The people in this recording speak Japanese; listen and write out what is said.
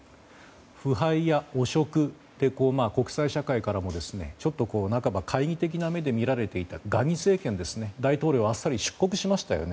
腐敗や汚職、国際社会からもちょっと、なかば懐疑的な目で見られていたガニ政権、大統領はあっさり出国しましたよね。